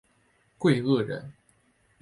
桂萼人。